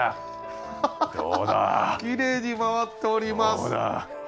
きれいに回っております。